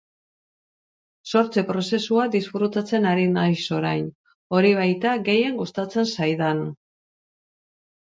Sortze prozesua disfrutatzen ari naiz orain, hori baita gehien gustatzen zaidan.